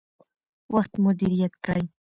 وخت مدیریت کړئ.